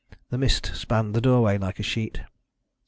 The mist spanned the doorway like a sheet.